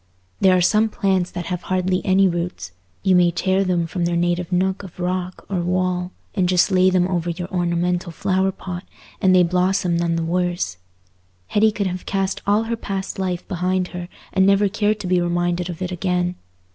There are some plants that have hardly any roots: you may tear them from their native nook of rock or wall, and just lay them over your ornamental flower pot, and they blossom none the worse. Hetty could have cast all her past life behind her and never cared to be reminded of it again.